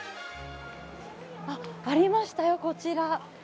あっ、ありましたよ、こちら。